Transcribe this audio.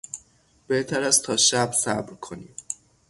بهتر است تا شب صبر کنیم.